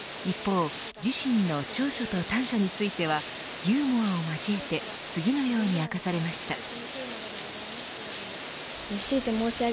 一方、自身の長所と短所についてはユーモアを交えて次のように明かされました。